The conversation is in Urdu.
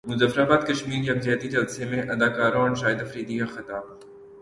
مظفراباد کشمیر یکجہتی جلسہ میں اداکاروں اور شاہد افریدی کا خطاب